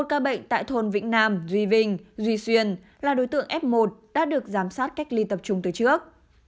một ca bệnh tại thôn vĩnh nam duy vinh duy xuyên là đối tượng f một đã được giám sát cách ly tập trung từ trước